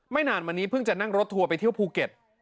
นานมานี้เพิ่งจะนั่งรถทัวร์ไปเที่ยวภูเก็ต